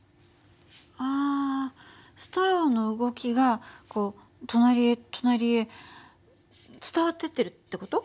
あストローの動きがこう隣へ隣へ伝わってってるって事？